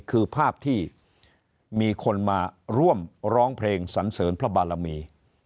คือภาพที่มีคนมาร่วมร้องเพลงสันเสริญพระบารมี